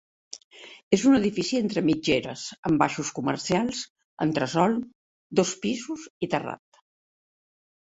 És un edifici entre mitgeres, amb baixos comercials, entresòl, dos pisos i terrat.